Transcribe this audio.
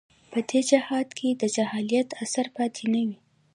په دې جهان کې د جاهلیت اثر پاتې نه وي.